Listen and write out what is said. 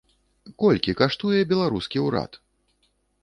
Колькі каштуе беларускі ўрад?